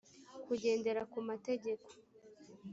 kugendera ku mategeko